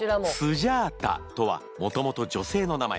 スジャータとはもともと女性の名前。